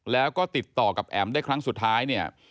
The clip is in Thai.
แล้วก็ติดต่อกับแอ๋มได้ครั้งสุดท้ายเนี่ย